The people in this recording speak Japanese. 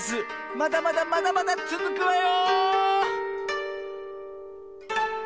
まだまだまだまだつづくわよ！